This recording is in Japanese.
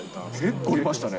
結構いましたね。